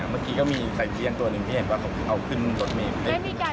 เมื่อกี๊ก็มีใส่เตียงตัวหนึ่งที่เห็นเอาขึ้นตอนเมฆ